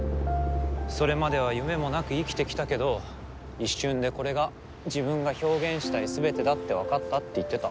それまでは夢もなく生きてきたけど一瞬でこれが自分が表現したい全てだって分かったって言ってた。